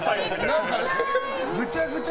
何かぐちゃぐちゃ。